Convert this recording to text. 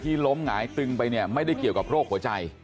ล้มหงายตึงไปเนี่ยไม่ได้เกี่ยวกับโรคหัวใจ